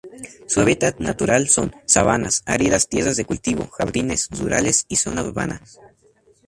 Su hábitat natural son: sabanas, áridas tierras de cultivo, jardines rurales, y zona urbanas.